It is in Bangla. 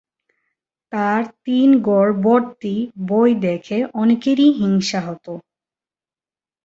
তার তিন ঘর ভর্তি বই দেখে অনেকেরই হিংসা হত।